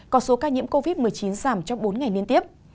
có số ca nhiễm covid một mươi chín giảm trong bốn ngày liên tiếp